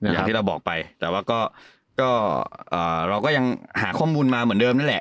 อย่างที่เราบอกไปแต่ว่าก็เราก็ยังหาข้อมูลมาเหมือนเดิมนั่นแหละ